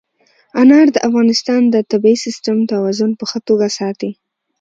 انار د افغانستان د طبعي سیسټم توازن په ښه توګه ساتي.